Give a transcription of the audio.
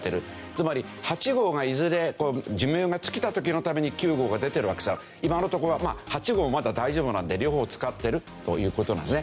つまり８号がいずれ寿命が尽きた時のために９号が出てるわけですが今のとこは８号はまだ大丈夫なので両方使ってるという事なんですね。